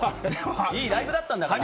いいライブだったんだから。